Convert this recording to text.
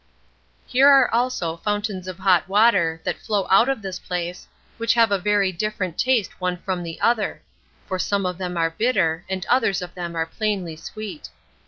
Here are also fountains of hot water, that flow out of this place, which have a very different taste one from the other; for some of them are bitter, and others of them are plainly sweet.